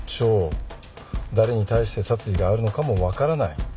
誰に対して殺意があるのかも分からない。